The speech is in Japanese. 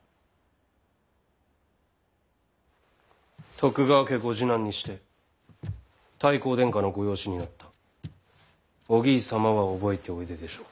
徳川家ご次男にして太閤殿下のご養子になった於義伊様は覚えておいででしょう。